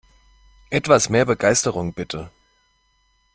Etwas mehr Begeisterung, bitte!